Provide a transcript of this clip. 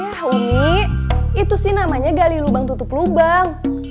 ya umi itu sih namanya gali lubang tutup lubang